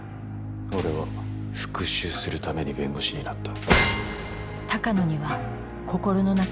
俺は復讐するために弁護士になった。